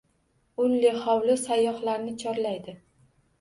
“Ulli hovli” sayyohlarni chorlaydi